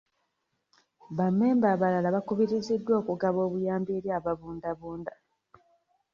Ba memba abalala bakubiriziddwa okugaba obuyambi eri ababundabunda.